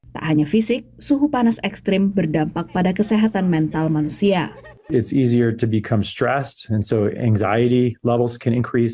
tak hanya fisik suhu panas ekstrim berdampak pada kesehatan mental manusia